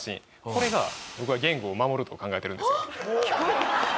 これが僕は言語を守ると考えてるんですよ。